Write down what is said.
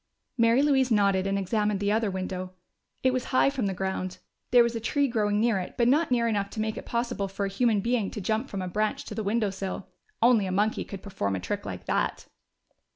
Mary Louise nodded and examined the other window. It was high from the ground; there was a tree growing near it, but not near enough to make it possible for a human being to jump from a branch to the window sill. Only a monkey could perform a trick like that!